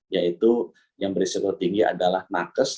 yaitu yang berisiko tinggi adalah nakes